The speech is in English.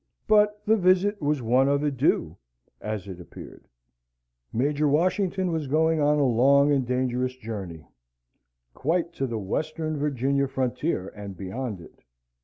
But the visit was one of adieu, as it appeared. Major Washington was going on a long and dangerous journey, quite to the western Virginia frontier and beyond it.